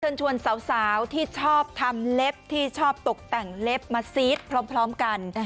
ชวนสาวที่ชอบทำเล็บที่ชอบตกแต่งเล็บมาซีดพร้อมกัน